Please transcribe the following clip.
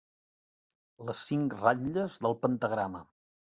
Les cinc ratlles del pentagrama.